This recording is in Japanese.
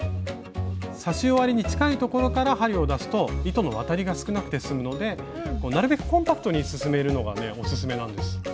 刺し終わりに近いところから針を出すと糸の渡りが少なくてすむのでなるべくコンパクトに進めるのがオススメなんです。